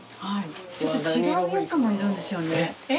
ちょっと違うやつもいるんですよね。